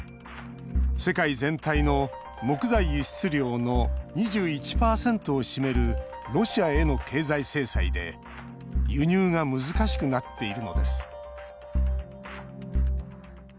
世界全体の木材輸出量の２１％を占めるロシアへの経済制裁で輸入が難しくなっているのです。